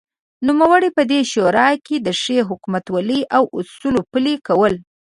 نوموړی په دې شورا کې دښې حکومتولۍ او اصولو پلې کولو